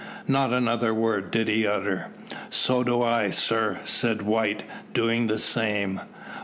Not another word did he utter. "So do I, sir," said White, doing the same.